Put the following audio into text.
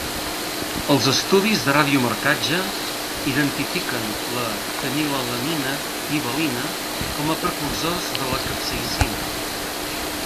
Els estudis de radiomarcatge identifiquen la fenilalanina i valina com a precursors de la capsaïcina.